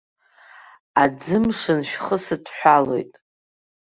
Аӡы-мшын шәхысыҭәҳәалоит!